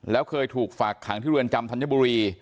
แล้วเคยถูกฝากขังที่เรือนจำธัญบุรี